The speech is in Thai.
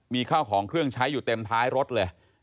มีข้าวของเครื่องใช้อยู่เต็มท้ายรถเลย